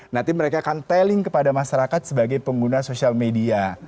nanti mereka akan teling kepada masyarakat sebagai pengguna sosial media